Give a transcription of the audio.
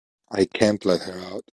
I can't let her out.